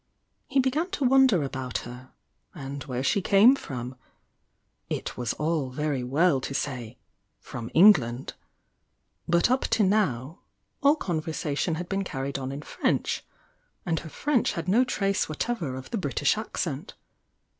He began to wonder about her, and where she came from — t was aU very well to say "from England" but up to now, all conversation had been carried on in Frendi and her French had no trace whatever of the British accent.